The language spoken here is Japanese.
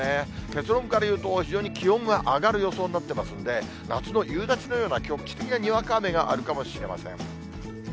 結論からいうと、非常に気温が上がる予想になってますんで、夏の夕立のような局地的なにわか雨があるかもしれません。